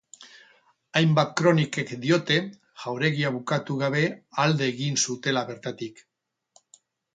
Hainbat kronikek diote jauregia bukatu gabe alde egin zutela bertatik.